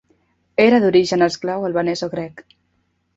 Era d'origen esclau albanès o grec.